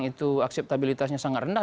itu akseptabilitasnya sangat rendah